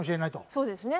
そうですね。